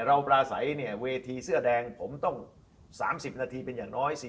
ปลาใสเนี่ยเวทีเสื้อแดงผมต้อง๓๐นาทีเป็นอย่างน้อย